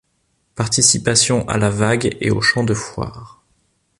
Participation à la Vague et au Chant de Foire.